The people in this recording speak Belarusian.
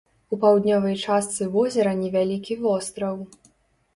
У паўднёвай частцы возера невялікі востраў.